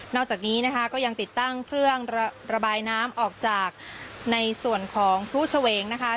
อกจากนี้นะคะก็ยังติดตั้งเครื่องระบายน้ำออกจากในส่วนของพลุเฉวงนะคะ